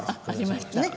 あっありました。